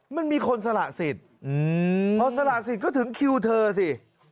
มันมีคนศาสิจเพราะศาสิจก็ถึงคิวเธอที่